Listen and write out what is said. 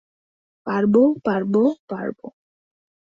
পারব পারব পারব!